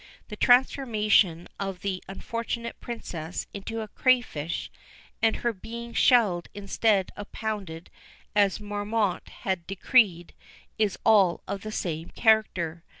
The transformation of the unfortunate Princess into a crayfish, and her being shelled instead of pounded as Marmotte had decreed, is all of the same character.